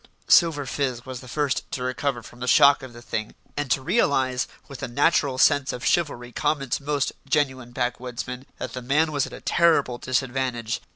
Silver Fizz was the first to recover from the shock of the thing, and to realise, with the natural sense of chivalry common to most genuine back woodsmen, that the man was at a terrible disadvantage.